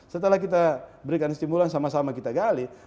setelah kita berikan stimulan sama sama kita gali